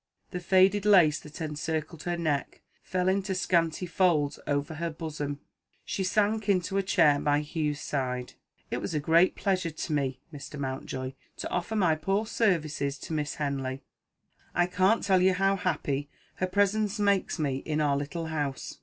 The faded lace that encircled her neck fell in scanty folds over her bosom. She sank into a chair by Hugh's side. "It was a great pleasure to me, Mr. Mountjoy, to offer my poor services to Miss Henley; I can't tell you how happy her presence makes me in our little house."